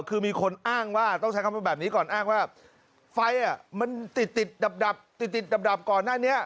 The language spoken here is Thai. คือมีคนอ้างว่าต้องใช้คำแบบนี้ก่อนอ้างว่าไฟมันติดดับก่อนนะเนี้ย